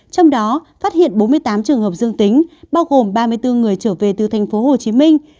trong đó phát hiện bốn mươi tám trường hợp dương tính bao gồm ba mươi bốn người trở về từ thành phố hồ chí minh